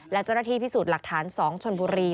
และเจ้าหน้าที่พิสูจน์หลักฐาน๒ชนบุรี